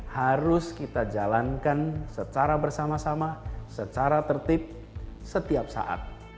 harus kita jalankan secara bersama sama secara tertib setiap saat